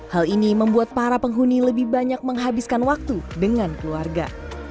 hal ini membuat para penghuni lebih banyak menghabiskan waktu dengan keluarga